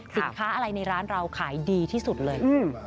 สินค้าในร้านขายใดที่สุดเลย